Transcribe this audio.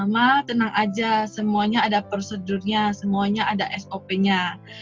ma tenang aja semuanya ada prosedurnya semuanya ada sop nya